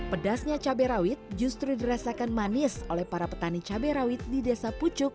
pedasnya cabai rawit justru dirasakan manis oleh para petani cabai rawit di desa pucuk